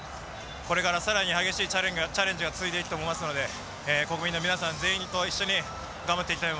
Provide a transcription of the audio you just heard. これから更に激しいチャレンジが続いていくと思いますので国民の皆さん全員と一緒に頑張っていきたいと思います。